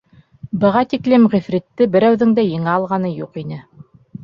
— Быға тиклем ғифритте берәүҙең дә еңә алғаны юҡ ине.